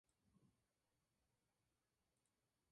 Este episodio cuenta con varios niveles para mostrar el juego libre.